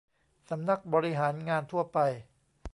สำนักบริหารงานทั่วไป